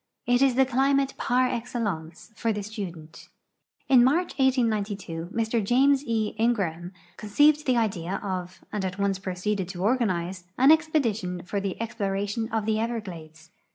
It is the climate par excellence for the student. In INIarcb, 1892, Mr James E. Ingraham conceived the idea of, and at once proceeded to organize, an expedition for the ex])lo ration of tbe Everglades.